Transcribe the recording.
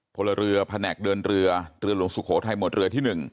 พลเรือแผนกเดินเรือเรือหลวงสุโขทัยหมวดเรือที่๑